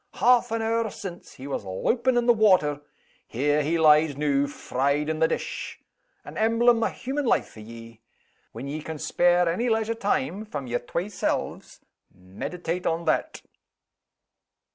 "Half an hour since, he was loupin' in the water. There he lies noo, fried in the dish. An emblem o' human life for ye! When ye can spare any leisure time from yer twa selves, meditate on that."